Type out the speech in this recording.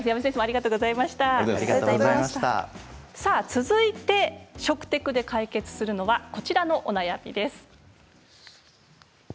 続いて食テクで解決するのはこちらのお悩みです。